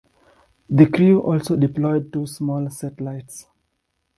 The crew also deployed two small satellites.